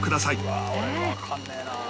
うわあ俺わかんねえな。